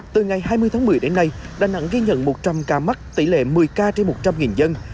từ ngày hai mươi tháng một mươi đến nay đà nẵng ghi nhận một trăm linh ca mắc tỷ lệ một mươi ca trên một trăm linh dân